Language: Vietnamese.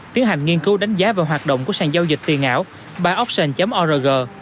tiến hành nghiên cứu đánh giá và hoạt động của sản giao dịch tiền ảo bioption org